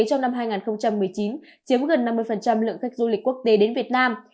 trong năm hai nghìn một mươi chín chiếm gần năm mươi lượng khách du lịch quốc tế đến việt nam